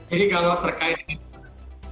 jadi kalau perkainan